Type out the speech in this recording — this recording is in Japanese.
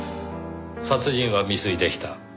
殺人は未遂でした。